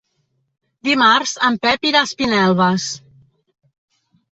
Dimarts en Pep irà a Espinelves.